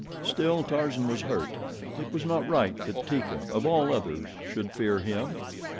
Still Tarzan was hurt; it was not right that Teeka, of all others, should fear him.